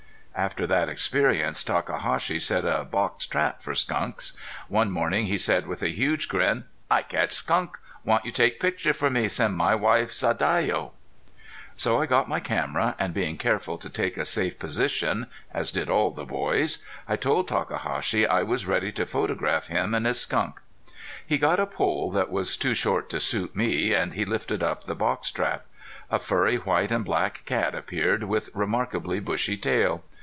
After that experience Takahashi set a box trap for skunks. One morning he said with a huge grin: "I catch skunk. Want you take picture for me send my wife Sadayo." So I got my camera, and being careful to take a safe position, as did all the boys, I told Takahashi I was ready to photograph him and his skunk. He got a pole that was too short to suit me, and he lifted up the box trap. A furry white and black cat appeared, with remarkably bushy tail.